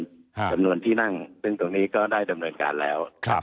จำนวนที่นั่งซึ่งตรงนี้ก็ได้ดำเนินการแล้วครับ